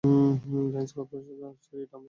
Lance corporal Archie Reid আমার বন্ধু!